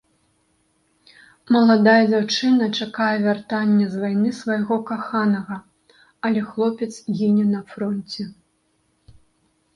Маладая дзяўчына чакае вяртання з вайны свайго каханага, але хлопец гіне на фронце.